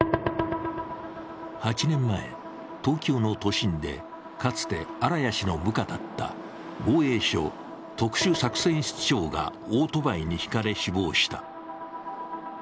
８年前、東京の都心でかつて荒谷氏の部下だった防衛省特殊作戦室長がオートバイにひかれ死亡した。